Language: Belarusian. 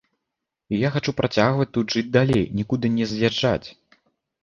І я хачу працягваць тут жыць далей, нікуды не з'язджаць.